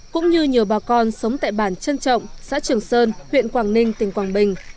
cũng như nhiều bà con sống tại bản trân trọng xã trường sơn huyện quảng ninh tỉnh quảng bình